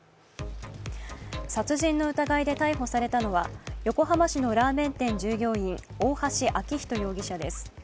殺人の疑いで逮捕されたのは横浜市のラーメン店従業員、大橋昭仁容疑者です。